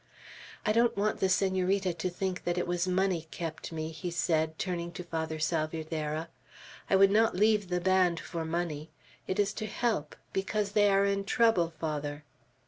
"I don't want the Senorita to think that it was the money kept me," he said, turning to Father Salvierderra. "I would not leave the band for money; it is to help, because they are in trouble, Father."